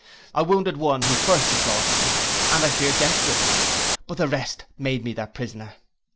I wounded one who first assaulted me, and I fear desperately, but the rest made me their prisoner.